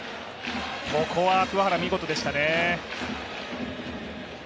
ここは桑原、見事でしたね。